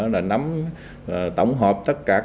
là nắm tổng hợp tất cả các